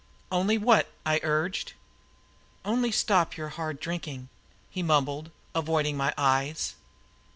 "Only what?" I urged. "Only stop your hard drinking," he mumbled, avoiding my eyes.